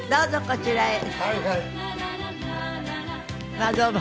まあどうも。